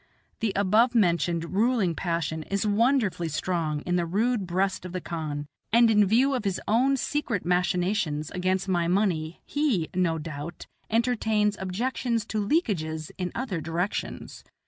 The above mentioned ruling passion is wonderfully strong in the rude breast of the khan, and in view of his own secret machinations against my money he, no doubt, entertains objections to leakages in other directions.